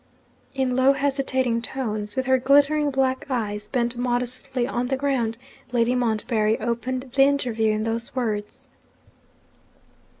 In low hesitating tones, with her glittering black eyes bent modestly on the ground, Lady Montbarry opened the interview in those words.